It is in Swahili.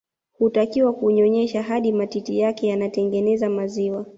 Hutakiwa kumnyonyesha hadi matiti yake yanatengeneza maziwa